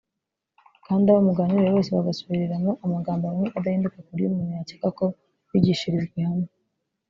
Kandi abo muganiriye bose bagusubiriramo amagambo amwe adahinduka ku buryo umuntu yakeka ko bigishirijwe hamwe